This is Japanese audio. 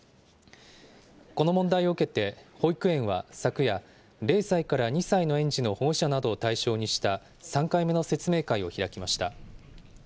この問題を受けて、保育園は昨夜、０歳から２歳の園児の保護者などを対象にした３回目の説明会を開きました。